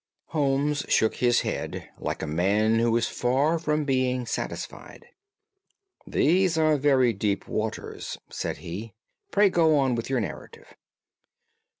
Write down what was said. Holmes shook his head like a man who is far from being satisfied. "These are very deep waters," said he; "pray go on with your narrative."